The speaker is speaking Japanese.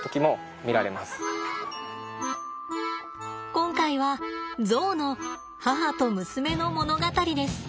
今回はゾウの母と娘の物語です。